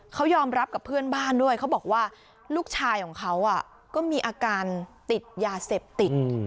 เขายอมรับกับเพื่อนบ้านด้วยเขาบอกว่าลูกชายของเขาก็มีอาการติดยาเสพติด